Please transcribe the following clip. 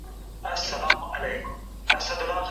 د ماشومانو لپاره لیکل عبادت دی.